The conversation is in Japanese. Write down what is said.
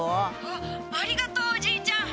☎あっありがとうおじいちゃん。